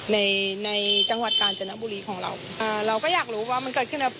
ในในจังหวัดกาญจนบุรีของเราอ่าเราก็อยากรู้ว่ามันเกิดขึ้นกับ